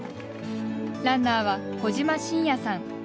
ランナーは小島慎弥さん。